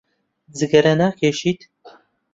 جگەرە ناکێشێت.